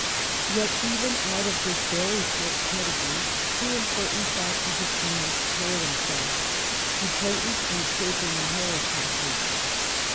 Yet even out of this very short pedigree two important factors of genius declare themselves — two potent and shaping inheritances.